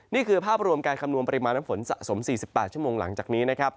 นี่คือภาพรวมการคำนวณปริมาณน้ำฝนสะสม๔๘ชั่วโมงหลังจากนี้นะครับ